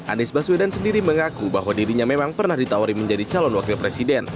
anies baswedan sendiri mengaku bahwa dirinya memang pernah ditawari menjadi calon wakil presiden